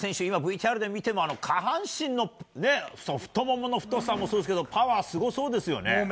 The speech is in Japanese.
今、ＶＴＲで見ても下半身の太ももの太さもそうですがパワー、すごそうですよね。